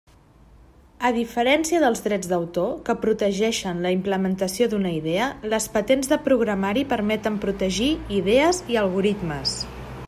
A diferència dels drets d'autor, que protegeixen la implementació d'una idea, les patents de programari permeten protegir idees i algoritmes.